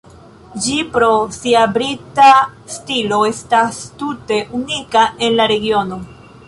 Ĝi pro sia brita stilo estas tute unika en la regiono.